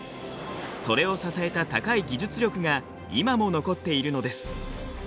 それを支えた高い技術力が今も残っているのです。